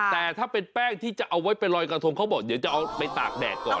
แต่ถ้าเป็นแป้งที่จะเอาไว้ไปลอยกระทงเขาบอกเดี๋ยวจะเอาไปตากแดดก่อน